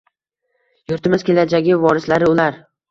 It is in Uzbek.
Yurtimiz kelajagi vorislari ular